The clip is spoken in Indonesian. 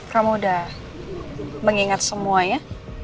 kamu udah mengingat semuanya